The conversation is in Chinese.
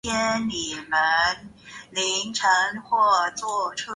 氟硼酸亚锡可以用于锡的电镀。